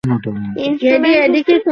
আমি এখন ছুটি নিতে পারবো না, ভৈভব।